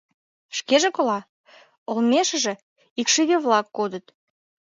Шкеже кола, олмешыже икшыве-влак кодыт.